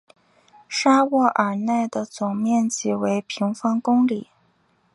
沙沃尔奈的总面积为平方公里。